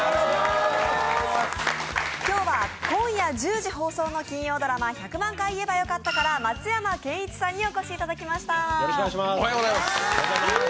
今日は今夜１０時放送の金曜ドラマ「１００万回言えばよかった」から松山ケンイチさんにお越しいただきました。